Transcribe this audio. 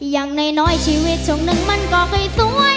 อย่างน้อยชีวิตช่วงหนึ่งมันก็ค่อยสวย